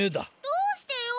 どうしてよ！